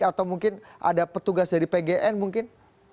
atau mungkin ada petugas dari pgn mungkin